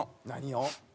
何を？